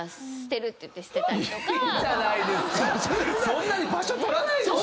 そんなに場所取らないでしょ！